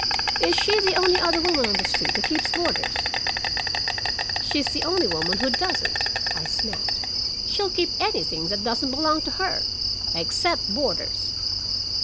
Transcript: "Is she the only other woman on the street who keeps boarders?" "She's the only woman who doesn't," I snapped. "She'll keep anything that doesn't belong to her except boarders."